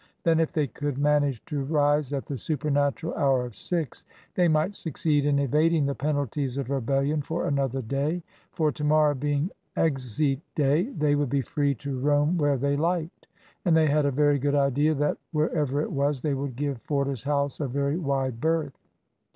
Then, if they could manage to rise at the supernatural hour of six, they might succeed in evading the penalties of rebellion for another day. For to morrow being exeat day, they would be free to roam where they liked. And they had a very good idea that wherever it was, they would give Forder's house a very wide berth.